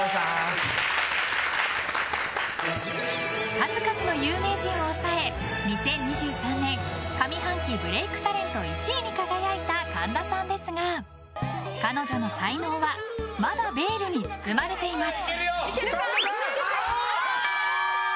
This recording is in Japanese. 数々の有名人を抑え２０２３年上半期ブレイクタレント１位に輝いた神田さんですが彼女の才能はまだベールに包まれています。